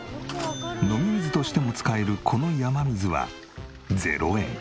飲み水としても使えるこの山水は０円。